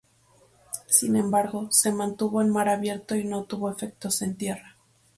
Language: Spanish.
Sin embargo, se mantuvo en mar abierto y no tuvo efectos en tierra.